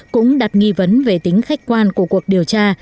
cũng đặt nghi vấn về tính khách quan của cuộc điều tra